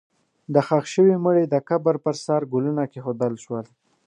د ښخ شوي مړي د قبر پر سر ګلونه کېښودل شول.